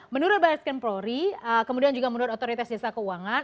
menurut barat kempriori kemudian juga menurut otoritas jasa keuangan